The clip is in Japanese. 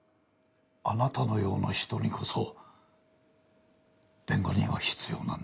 あなたのような人にこそ弁護人は必要なんですよ。